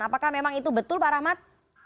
apakah memang itu betul pak rahmat